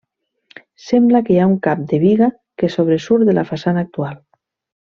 Sembla que hi ha un cap de biga que sobresurt de la façana actual.